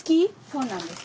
そうなんです。